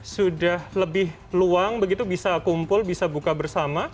sudah lebih luang begitu bisa kumpul bisa buka bersama